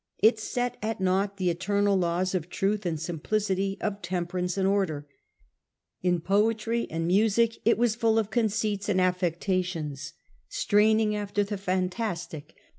It set at naught the eternal laws of truth and simplicity, of temperance and order. In poetry and but the art music it was full of conceits and affecta tions, straining after the fantastic.